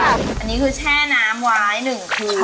อันนี้คือแช่น้ำไว้๑คืน